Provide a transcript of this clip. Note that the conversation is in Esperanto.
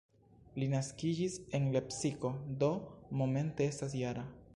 Li naskiĝis en Lepsiko, do momente estas -jara.